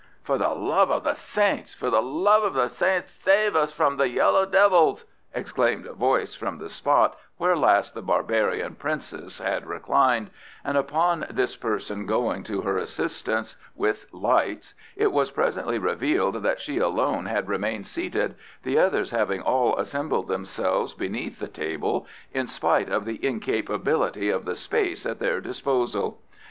"For the love av the saints for the love av the saints, save us from the yellow devils!" exclaimed a voice from the spot where last the barbarian princess had reclined, and upon this person going to her assistance with lights it was presently revealed that she alone had remained seated, the others having all assembled themselves beneath the table in spite of the incapability of the space at their disposal.